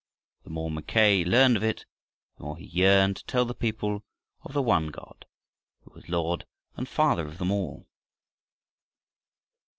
The more Mackay learned of it, the more he yearned to tell the people of the one God who was Lord and Father of them all.